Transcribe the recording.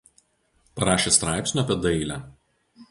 Parašė straipsnių apie dailę.